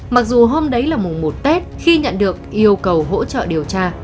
mặc dù hôm đấy là mùng một tết khi nhận được yêu cầu hỗ trợ điều tra